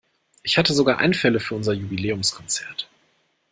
Ich hatte sogar Einfälle für unser Jubiläumskonzert.